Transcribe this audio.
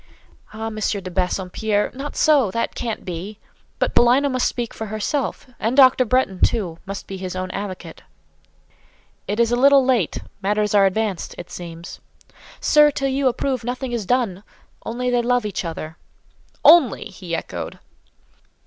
"Ah, M. de Bassompierre—not so—that can't be! But Paulina must speak for herself: and Dr. Bretton, too, must be his own advocate." "It is a little late. Matters are advanced, it seems." "Sir, till you approve, nothing is done—only they love each other." "Only!" he echoed.